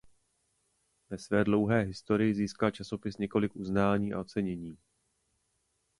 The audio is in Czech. Ve svém dlouhé historii získal časopis několik uznání a ocenění.